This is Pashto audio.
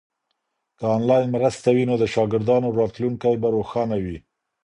که انلاین مرسته وي نو د شاګردانو راتلونکی به روښانه وي.